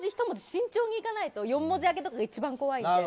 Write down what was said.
慎重にいかないと４文字開けとかが一番怖いので。